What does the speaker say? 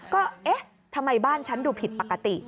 ก็เอ๊ะทำไมบ้านฉันดูผิดปกติ